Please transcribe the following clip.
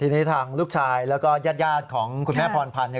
ทีนี้ทางลูกชายและยาดของคุณแม่พรพันธุ์